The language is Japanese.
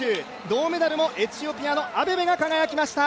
銅メダルはエチオピアのアベベが輝きました。